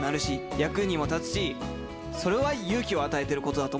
役にも立つし勇気を与えてることだと